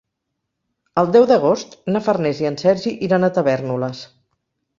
El deu d'agost na Farners i en Sergi iran a Tavèrnoles.